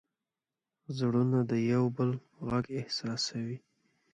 زړونه د یو بل غږ احساسوي.